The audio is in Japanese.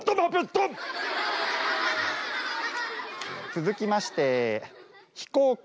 続きまして「飛行機」。